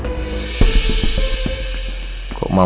ya ini dia